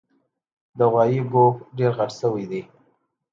د غوایي ګوپ ډېر غټ شوی دی